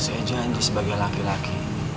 saya janji sebagai laki laki